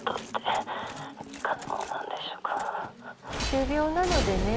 急病なのでね